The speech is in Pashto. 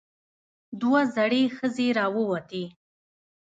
دوه زړې ښځې راووتې.